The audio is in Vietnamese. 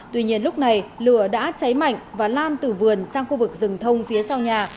tuy nhiên lúc này lửa đã cháy mạnh và lan từ vườn sang khu vực rừng thông phía sau nhà